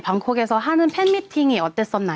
เป็นยังไงบ้างแฟนมิตรที่ผ่านมา